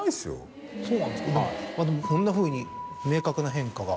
でもこんなふうに明確な変化が。